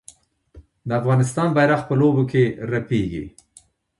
د افغانستان بیرغ په لوبو کې رپیږي.